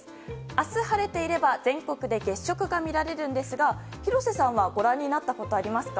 明日、晴れていれば全国で月食が見られるんですが廣瀬さんはご覧になったことありますか？